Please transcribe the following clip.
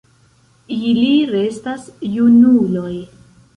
Ili restas junuloj.